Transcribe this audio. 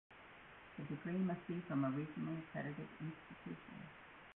The degree must be from a regionally accredited institution.